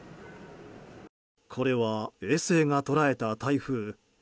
これは衛星が捉えた台風。